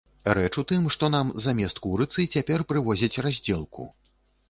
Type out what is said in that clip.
Рэч у тым, што нам замест курыцы цяпер прывозяць раздзелку.